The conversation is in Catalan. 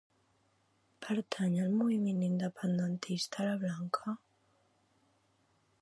Pertany al moviment independentista la Blanca?